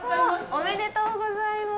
おめでとうございます。